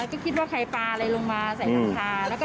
ก็คิดว่าใครปลาอะไรลงมาใส่หลังคา